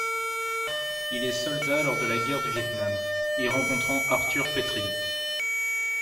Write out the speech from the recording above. Il est soldat lors de la guerre du Vietnam, y rencontrant Arthur Petrelli.